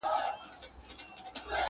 زمانه اوړي له هر کاره سره لوبي کوي؛